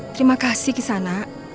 terima kasih kisah nak